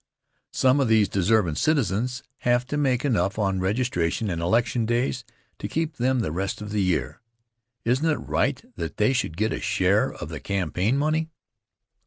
Some of these deservin' citizens have to make enough on registration and election days to keep them the rest of the year. Isn't it right that they should get a share of the campaign money?